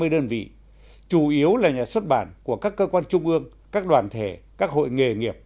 ba mươi đơn vị chủ yếu là nhà xuất bản của các cơ quan trung ương các đoàn thể các hội nghề nghiệp